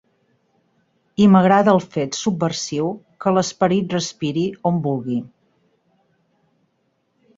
I m'agrada el fet subversiu que l'esperit respiri on vulgui.